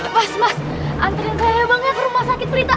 mas mas anterin saya banget ke rumah sakit berita